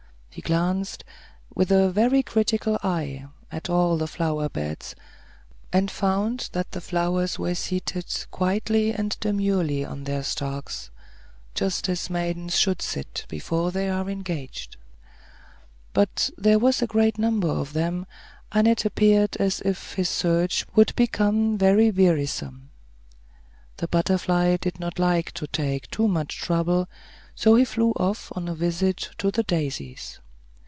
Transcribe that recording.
He glanced, with a very critical eye, at all the flower beds, and found that the flowers were seated quietly and demurely on their stalks, just as maidens should sit before they are engaged; but there was a great number of them, and it appeared as if his search would become very wearisome. The butterfly did not like to take too much trouble, so he flew off on a visit to the daisies.